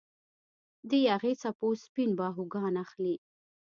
د یاغي څپو سپین باهوګان اخلي